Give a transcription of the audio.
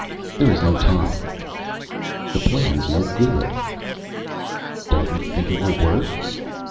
"There is no time." "The plan's no good." "Don't you think it will work?"